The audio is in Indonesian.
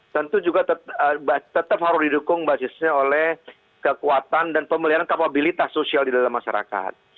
tentu juga tetap harus didukung basisnya oleh kekuatan dan pemeliharaan kapabilitas sosial di dalam masyarakat